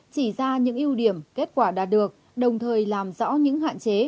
chỉ ra những ưu điểm kết quả đạt được đồng thời làm rõ những hạn chế